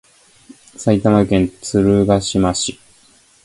埼玉県鶴ヶ島市